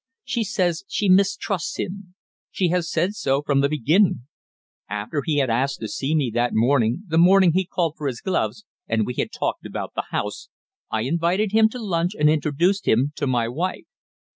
She says she mistrusts him. She has said so from the beginnin'. After he had asked to see me that mornin', the mornin' he called for his gloves, and we had talked about the house, I invited him to lunch and introduced him to my wife.